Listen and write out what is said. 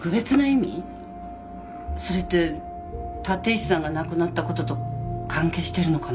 それって立石さんが亡くなったことと関係してるのかな？